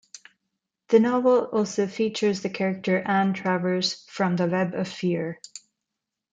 The novel also features the character Anne Travers from "The Web of Fear".